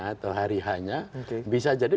atau hari h nya bisa jadi